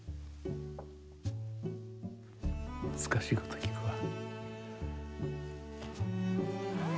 むずかしいこときくわ。